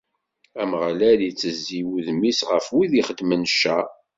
Ameɣlal ittezzi udem-is ɣef wid ixeddmen ccer.